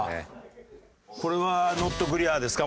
これはノットクリアですか？